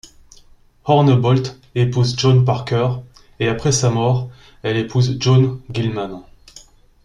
Hornebolt épouse John Parker et après sa mort, elle épouse John Gilman.